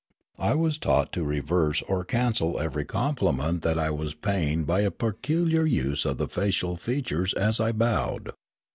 I was taught to re verse or cancel every compliment I was paying by a peculiar use of the facial features as I bowed.